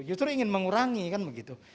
justru ingin mengurangi kan begitu